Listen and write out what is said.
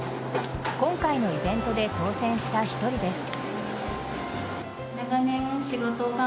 今回のイベントで当選した１人です。